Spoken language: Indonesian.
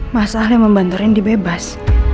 masalah yang membantu rendy bebas